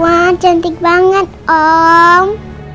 wah cantik banget om